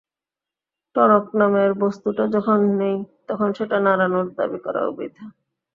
টনক নামের বস্তুটা যখন নেই, তখন সেটা নাড়ানোর দাবি করাও বৃথা।